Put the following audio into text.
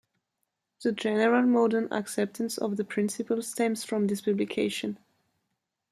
The general modern acceptance of the principle stems from this publication.